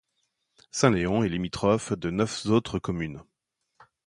Saint-Léon est limitrophe de neuf autres communes.